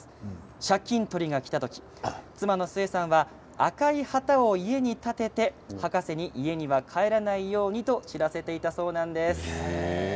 借金取りが来た時妻の壽衛さんは赤い旗を家に立てて博士に家には帰らないように知らせていたそうです。